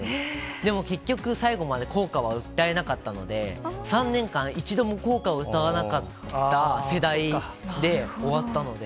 でも結局、最後まで校歌は歌えなかったので、３年間、一度も校歌を歌わなかった世代で終わったので。